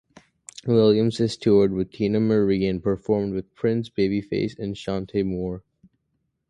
Williams has toured with Teena Marie and performed with Prince, Babyface and Chante Moore.